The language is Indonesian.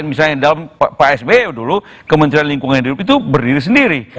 misalnya dalam pak sby dulu kementerian lingkungan hidup itu berdiri sendiri